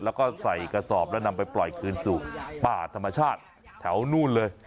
แล้วก็ใส่กระสอบแล้วนำไปปล่อยคืนสู่ป่าธรรมชาติแถวนู่นเลย